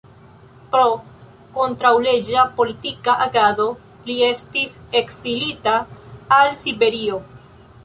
Pro kontraŭleĝa politika agado li estis ekzilita al Siberio.